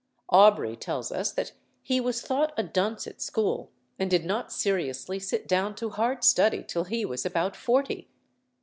Aubrey tells us that he was thought a dunce at school, and did not seriously sit down to hard study till he was about forty.